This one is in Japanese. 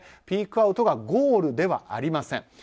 ピークアウトがゴールではありません。